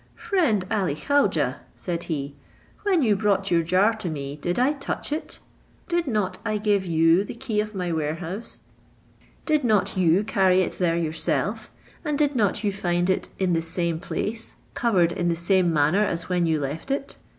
"Friend Ali Khaujeh," said he, "when you brought your jar to me did I touch it? did not I give you the key of my warehouse, did not you carry it there yourself, and did not you find it in the same place, covered in the same manner as when you left it?